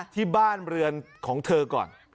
ที่บ้านเรือนของเธอก่อน